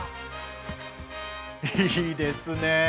いいですね！